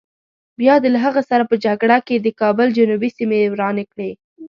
بیا دې له هغه سره په جګړه کې د کابل جنوبي سیمې ورانې کړې.